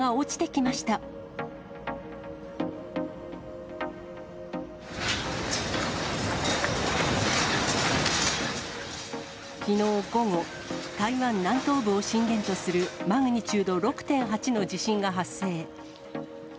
きのう午後、台湾南東部を震源とするマグニチュード６．８の地震が発生。